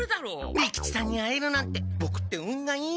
利吉さんに会えるなんてボクって運がいいな。